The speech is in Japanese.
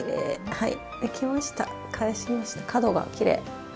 はい。